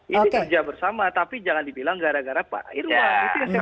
ini kerja bersama tapi jangan dibilang gara gara pak ida